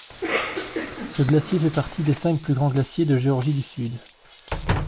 Ce glacier fait partie des cinq plus grands glaciers de Géorgie du Sud.